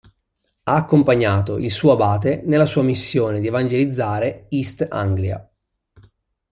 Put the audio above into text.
Ha accompagnato il suo abate nella sua missione di evangelizzare East Anglia.